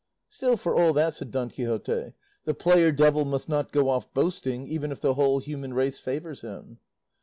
"Still, for all that," said Don Quixote, "the player devil must not go off boasting, even if the whole human race favours him."